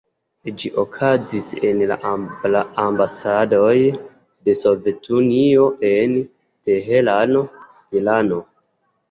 Ĝi okazis en la ambasadejo de Sovetunio en Teherano, Irano.